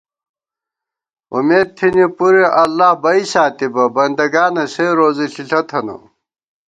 اُمېدتھنی پُرے اللہ بئ ساتِبہ بندہ گانہ سےروزی ݪِݪہ تھنہ